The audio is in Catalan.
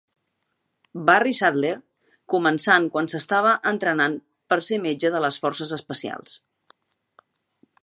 Barry Sadler, començant quan s'estava entrenant per ser metge de les Forces Especials.